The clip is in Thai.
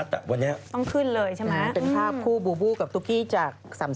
สวัสดีค่ะ